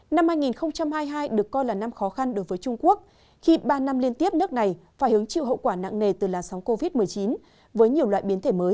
năm hai nghìn hai mươi hai được coi là năm khó khăn đối với trung quốc khi ba năm liên tiếp nước này phải hứng chịu hậu quả nặng nề từ làn sóng covid một mươi chín với nhiều loại biến thể mới